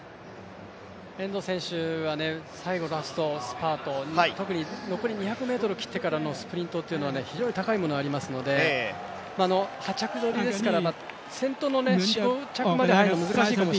遠藤選手は最後ラストスパート、特に残り２００ｍを切ってからのスプリントは非常に高いものがありますので８着取りですから。